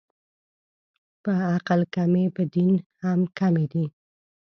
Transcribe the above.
په عقل کمې، په دین هم کمې دي